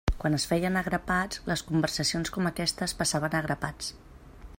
Quan es feien a grapats, les conversacions com aquestes passaven a grapats.